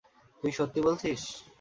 তুই সত্যি বলছিস?